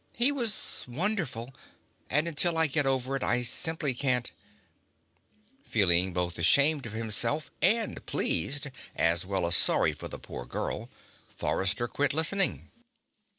He was wonderful. And until I get over it, I simply can't ..." Feeling both ashamed of himself and pleased, as well as sorry for the poor girl, Forrester quit listening.